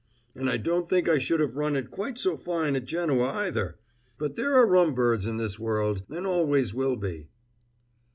And I don't think I should have run it quite so fine at Genoa, either. But there are rum birds in this world, and always will be!"